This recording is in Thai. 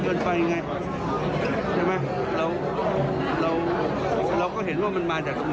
เดินทางไปที่ไหนก็ไม่ถึงกับว่าต้องกากตัว